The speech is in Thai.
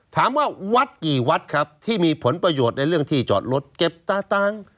ถามว่าวัดกี่วัดครับที่มีผลประโยชน์ในเรื่องที่จอดรถเก็บตาตังค์